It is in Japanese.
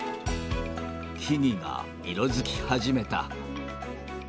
木々が色づき始めた。